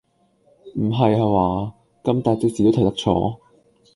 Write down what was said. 唔係下話，咁大隻字都睇得錯？